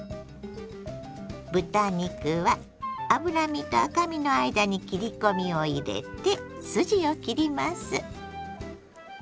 豚肉は脂身と赤身の間に切り込みを入れて筋を切ります。